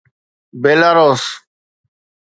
Belarus